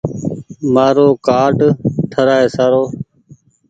مآرو ڪآرڊ ٺرآئي سارو۔